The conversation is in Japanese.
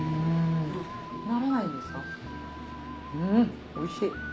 うんおいしい。